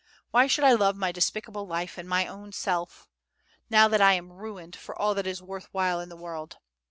Why should I love my despicable life and my own self, now that I am ruined for all that is worth while in the world?